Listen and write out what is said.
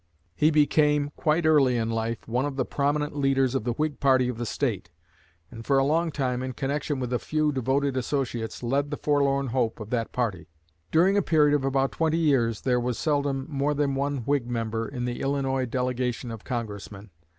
He became quite early in life one of the prominent leaders of the Whig party of the State, and for a long time, in connection with a few devoted associates, led the forlorn hope of that party. During a period of about twenty years there was seldom more than one Whig member in the Illinois delegation of Congressmen.